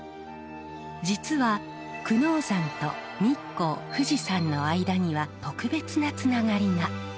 実は久能山と日光富士山の間には特別なつながりが。